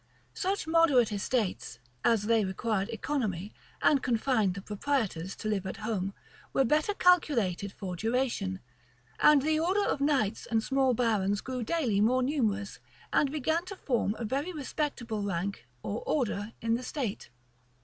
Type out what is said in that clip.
Such moderate estates, as they required economy, and confined the proprietors to live at home, were better calculated for duration; and the order of knights and small barons grew daily more numerous, and began to form a very respectable rank or order in the state.